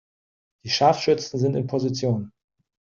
Die Scharfschützen sind in Position.